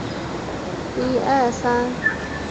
香港作曲家。